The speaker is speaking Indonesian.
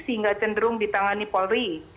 sehingga cenderung ditangani polri